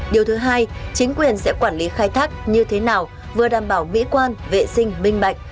điều thứ hai chính quyền sẽ quản lý khai thác như thế nào vừa đảm bảo mỹ quan vệ sinh minh bạch